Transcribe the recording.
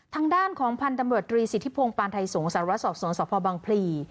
ทางด้านของพันธบตรีสิทธิพงศ์ปานไทยสงสารวัสด์สวนสภพบังพลี